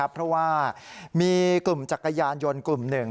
เพราะว่ามีกลุ่มจักรยานยนต์กลุ่มหนึ่ง